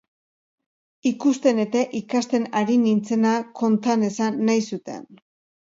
Ikusten eta ikasten ari nintzena konta nezan nahi zuten.